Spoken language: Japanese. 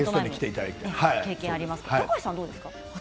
経験がありますが高橋さんはどうですか。